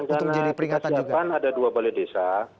karena di kesehatan ada dua balai desa